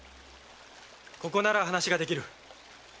ここなら話ができる。